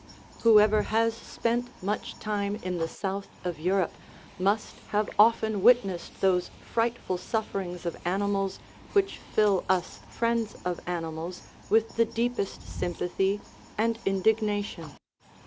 Whoever has spent much time in the south of Europe must have often witnessed those frightful sufferings of animals which fill us friends of animals with the deepest sym pathy and indignation.